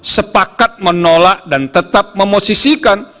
sepakat menolak dan tetap memosisikan